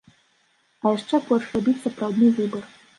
А яшчэ горш рабіць сапраўдны выбар.